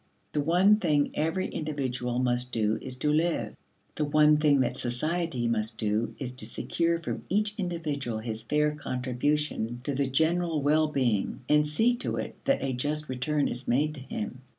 The one thing every individual must do is to live; the one thing that society must do is to secure from each individual his fair contribution to the general well being and see to it that a just return is made to him.